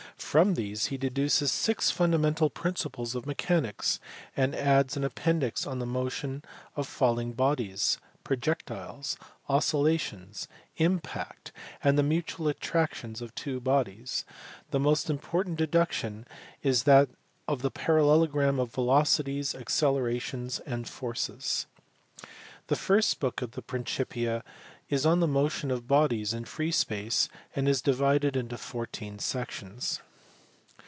From these he deduces six fundamental principles of mechanics, and addsan^ apporirHy nn the_motiorL ..of. .falling projectiles, oscill^ti^s^nj^iiLct^ aiid 4he fimtu&i attractions oJLtwo bodies. The most important deduction is that of the parallelogram of velocities, accelerations, and forces. The first book of the Principia is on the motion of bodies in free space, and is divided into fourteen sections.